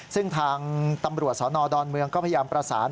ซึ่งทางตำรวจสนดอนเมืองก็พยายามประสาน